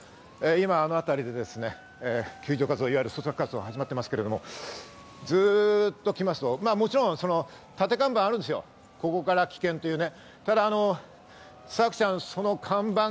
今、あの辺りで救助活動、捜索活動が始まっているわけですけど、ずっと来ますと、もちろん立て看板はあるんですよ、ここから危険というね。